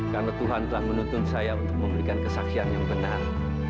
karena tuhan telah menuntun saya untuk memberikan kesaksian yang benar